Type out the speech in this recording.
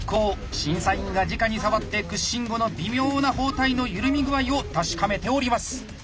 審査員がじかに触って屈伸後の微妙な包帯の緩み具合を確かめております。